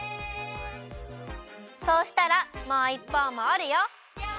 そうしたらもういっぽうもおるよ！